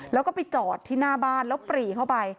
แล้วก็ไปจอดที่หน้าบ้านแล้วปรีเข้าไป